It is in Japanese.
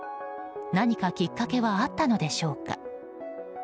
何かきっかけはあったのでしょうか。